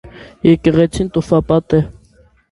Եկեղեցին տուֆապատ է։